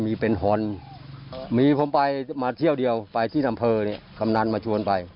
มีเป็นฮอนมีผมไปมาเที่ยวเดียวไปที่อำเภอเนี่ยกำนันมาชวนไป